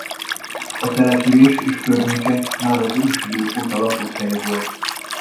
A település és környéke már az ősidők óta lakott hely volt.